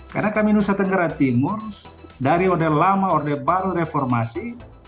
karena kami nusa tenggara timur dari order lama order baru reformasi